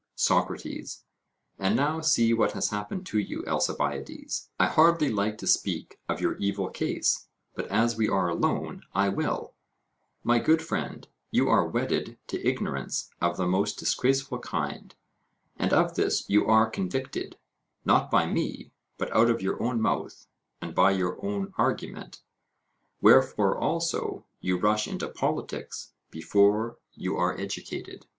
SOCRATES: And now see what has happened to you, Alcibiades! I hardly like to speak of your evil case, but as we are alone I will: My good friend, you are wedded to ignorance of the most disgraceful kind, and of this you are convicted, not by me, but out of your own mouth and by your own argument; wherefore also you rush into politics before you are educated.